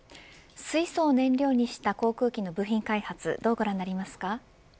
水素燃料にした航空機の部品開発どうご覧になりますか。